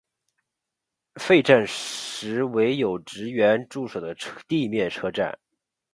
废站时为有职员驻守的地面车站。